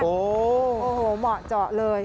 โอ้โหเหมาะเจาะเลย